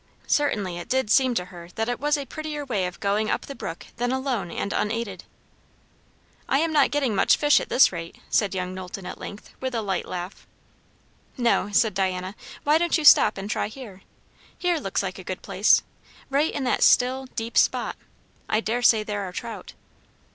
Certainly it did seem to her that it was a prettier way of going up the brook than alone and unaided. "I am not getting much fish at this rate," said young Knowlton at length with a light laugh. "No," said Diana. "Why don't you stop and try here? Here looks like a good place. Right in that still, deep spot, I dare say there are trout.